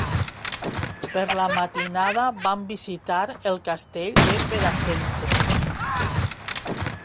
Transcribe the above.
Per la matinada vam visitar el castell de Peracense.